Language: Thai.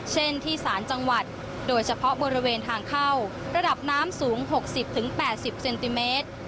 เช่นที่สารจังหวัดโดยเฉพาะบริเวณทางเข้าระดับน้ำสูง๖๐๘๐เซนติเมตร